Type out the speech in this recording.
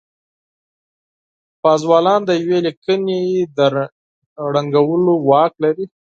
پازوالان د يوې ليکنې د ړنګولو واک لري.